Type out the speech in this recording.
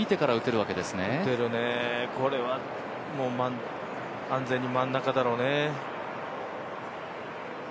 これは安全に真ん中だろうね。